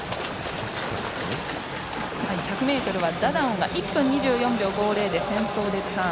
１００ｍはダダオンが１分２４秒５０で先頭でターン。